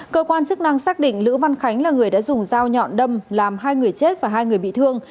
cơ quan chức năng xác định lữ văn khánh là người đã dùng dao nhọn đâm làm hai người chết và hai người bị thương